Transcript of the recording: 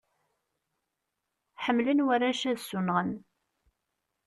Ḥemmlen warrac ad ssunɣen.